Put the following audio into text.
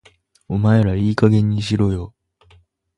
お前らいい加減にしろよ